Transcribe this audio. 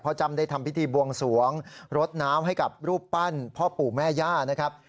จ้ำได้ทำพิธีบวงสวงรดน้ำให้กับรูปปั้นพ่อปู่แม่ย่านะครับ